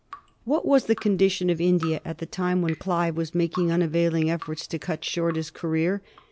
What was the condition of India at the time when Clive was making unavailing efforts to cut short his ca reer?